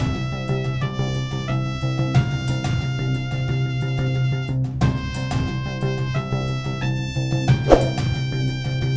ya tapi kan gak se enak ini